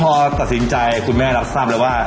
พอตัดสินใจคุณแม่รับทราบแล้วว่า